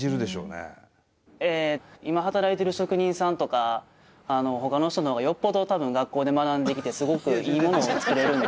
今働いてる職人さんとかほかの人のほうがよっぽどたぶん学校で学んできてすごくいいものを作れるんで。